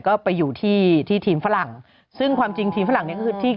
ก็ไปอยู่ที่ทีมฝรั่งซึ่งความจริงทีมฝรั่งเนี่ย